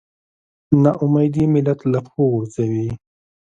نا اميدي ملت له پښو غورځوي.